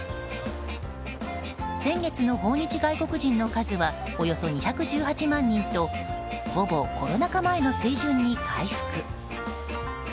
先月の訪日外国人の数はおよそ２１８万人とほぼコロナ禍前の水準に回復。